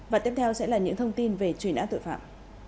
và tiếp theo sẽ là những thông tin về truy nã tội phạm